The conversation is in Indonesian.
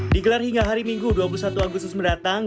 digelar hingga hari minggu dua puluh satu agustus mendatang